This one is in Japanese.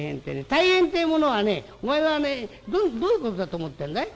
大変てえものはねお前はねどういうことだと思ってんだい？